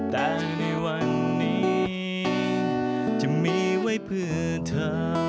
แต่ในวันนี้จะมีไว้เพื่อเธอ